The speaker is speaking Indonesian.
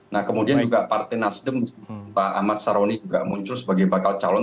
nah kemudian juga partai nasdem pak ahmad saroni juga muncul sebagai bakal calon